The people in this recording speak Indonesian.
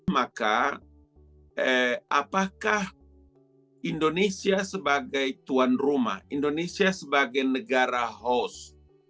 maka apakah indonesia sebagai tuan rumah indonesia sebagai negara host